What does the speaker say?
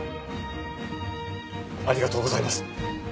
ありがとうございます。